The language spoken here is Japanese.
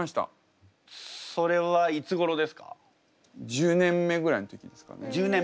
１０年目ぐらいの時ですかね。